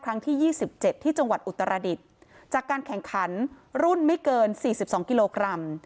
ครั้งที่๒๗ที่จังหวัดอุตรดิษฐ์จากการแข่งขันรุ่นไม่เกิน๔๒กิโลกรัม